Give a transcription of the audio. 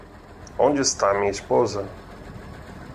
Onde está minha esposa?